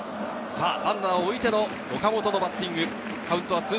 ランナーを置いての岡本のバッティング。